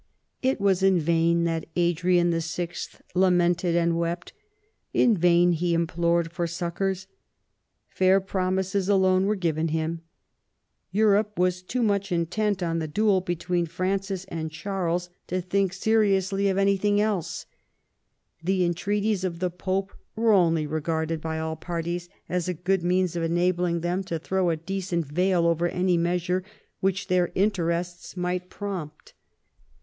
It was in vain that Adrian YI. lamented and wept ; in vain he implored for succours. Fair promises alone were given him. Europe was too much intent on the duel between Francis and Charles to think 94 THOMAS WOLSEY chap. seriously of anything else. The entreaties of the Pope were only regarded by all parties as a good means of enabling them to throw a decent veil over any measure which their own interests might prompt.